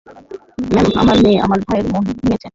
Ma'am, আপনার মেয়ে আমার ভাইয়ের মন ভেঙ্গেছে।